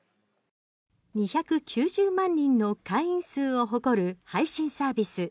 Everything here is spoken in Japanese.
２９０万人の会員数を誇る配信サービス